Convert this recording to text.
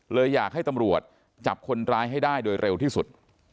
เลยอยากให้ตำรวจจับคนร้ายให้ได้โดยเร็วที่สุด